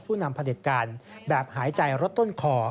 ผู้นำประเด็นการแบบหายใจรถต้นคอ